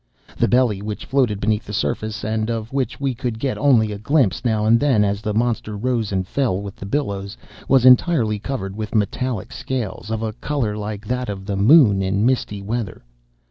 The belly, which floated beneath the surface, and of which we could get only a glimpse now and then as the monster rose and fell with the billows, was entirely covered with metallic scales, of a color like that of the moon in misty weather.